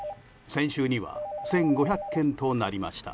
先週には１５００件となりました。